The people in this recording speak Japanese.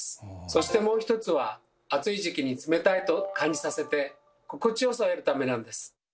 そしてもう一つは暑い時期に「冷たい」と感じさせて心地よさを得るためなんです。